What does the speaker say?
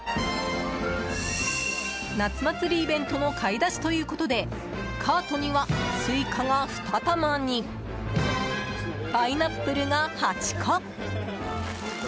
夏祭りイベントの買い出しということでカートには、スイカが２玉にパイナップルが８個。